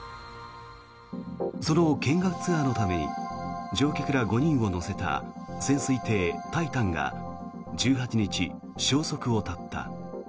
その見学ツアーのために乗客ら５人を乗せた潜水艇「タイタン」が１８日、消息を絶った。